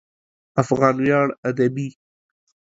افغان ویاړ ادبي